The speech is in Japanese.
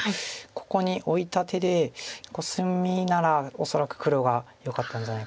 ここにオイた手でコスミなら恐らく黒がよかったんじゃないかということで。